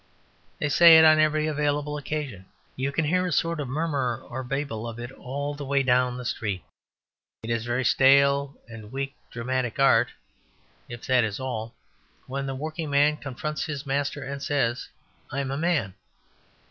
They say it on every available occasion; you can hear a sort of murmur or babble of it all the way down the street. It is very stale and weak dramatic art (if that is all) when the workman confronts his master and says, "I'm a man."